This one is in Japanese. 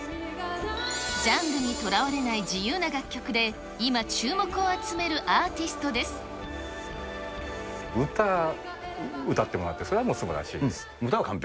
ジャンルにとらわれない自由な楽曲で今注目を集めるアーティスト歌を歌ってもらって、それは歌は完璧。